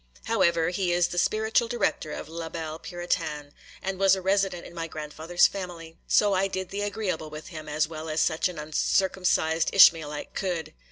'However, he is the spiritual director of la belle Puritaine, and was a resident in my grandfather's family, so I did the agreeable with him as well as such an uncircumcised Ishmaelite could.